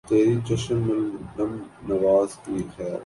تیری چشم الم نواز کی خیر